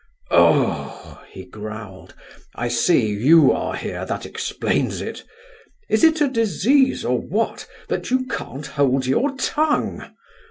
"Oh," he growled, "I see, you are here, that explains it! Is it a disease, or what, that you can't hold your tongue?